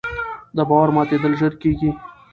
د باور ماتېدل ژر کېږي